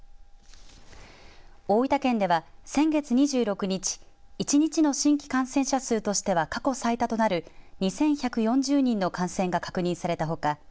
大分県では、先月２６日１日の新規感染者数としては過去最多となる２１４０人の感染が確認されたほか